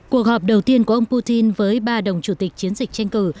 cuộc họp đầu tiên của ông putin với ba đồng chủ tịch chiến dịch tranh cử